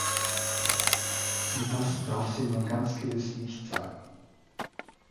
Und das darf sie nun ganz gewiss nicht sein.